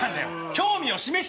興味を示してた。